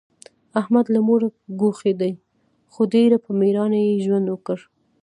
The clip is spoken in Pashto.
احمد له موره ګوښی دی، خو ډېر په مېړانه یې ژوند وکړ.